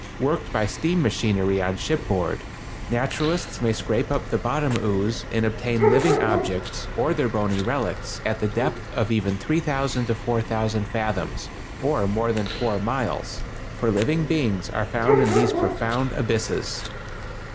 worked by steam machinery on shipboard, naturalists may scrape up the bottom ooze and obtain living objects or their bony relics at the depth of even 3000 to 4000 fathoms or more than four miles, for living beings are found in these profound abysses.